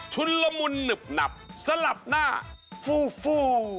นละมุนหนึบหนับสลับหน้าฟูฟู